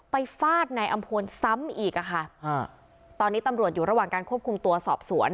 ฟาดนายอำพลซ้ำอีกอ่ะค่ะฮะตอนนี้ตำรวจอยู่ระหว่างการควบคุมตัวสอบสวน